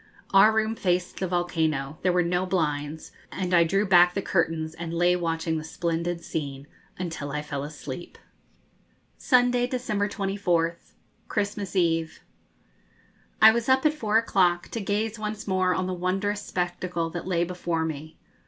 Our room faced the volcano: there were no blinds, and I drew back the curtains and lay watching the splendid scene until I fell asleep. Sunday, December 24th (Christmas Eve). I was up at four o'clock, to gaze once more on the wondrous spectacle that lay before me.